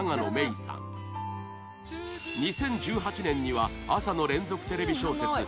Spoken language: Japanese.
２０１８年には朝の連続テレビ小説